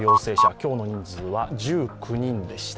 今日の人数は１９人でした。